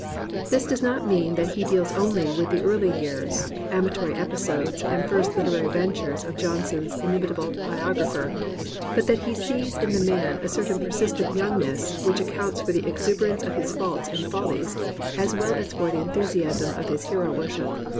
This does not mean that he deals only with the early years, amatory episodes, and first Kterary ventures of Johnson's inimitable biographer, but that he sees in the man a certain persistent youngness which accounts for the exuberance of his faults and follies as well as for the enthusiasm of his hero worship.